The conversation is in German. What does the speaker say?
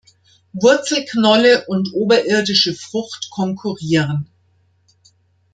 Wurzelknolle und oberirdische Frucht konkurrieren.